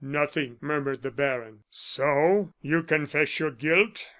"Nothing," murmured the baron. "So you confess your guilt?"